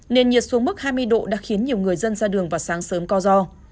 nền nhiệt xuống mức hai mươi độ đã khiến nhiều người dân ra đường vào sáng sớm co do